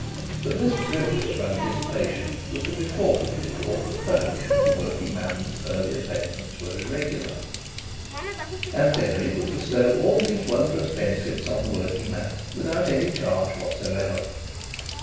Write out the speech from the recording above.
But this privilege of anticipation was to be forfeited or postponed if the working man's earlier payments were irregular. And Denry would bestow all these wondrous benefits on the working man without any charge whatever.